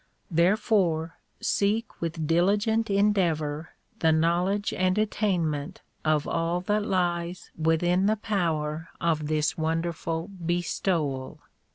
Therefore seek with diligent en. deavor the knowledge and attainment of all that lies within the power of this wonderful bestowal.